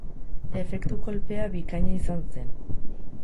Efektu kolpea bikaina izan zen.